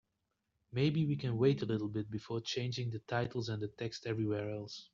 Maybe we can wait a little bit before changing the titles and the text everywhere else?